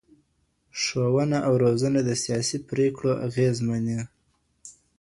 ښوونه او روزنه د سياسي پريکړو اغېز مني.